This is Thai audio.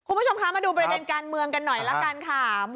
คุณผู้ชมคะมาดูประเด็นการเมืองกันหน่อยละกันค่ะ